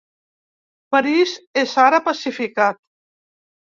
París és ara pacificat.